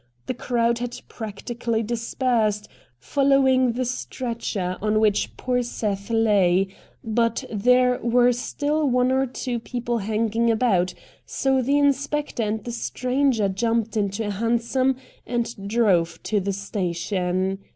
The crowd had practically dispersed, following the stretcher on which poor Seth lay, but there were still one or two people hanging about, so the inspector and the stranger jumped into a hansom and drove to the station.